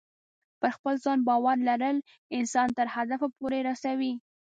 پر خپل ځان باور لرل انسان تر هدف پورې رسوي.